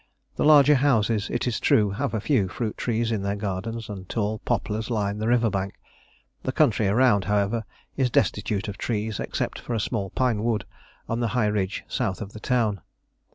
The larger houses, it is true, have a few fruit trees in their gardens, and tall poplars line the river bank; the country around, however, is destitute of trees except for a small pine wood on the high ridge south of the town.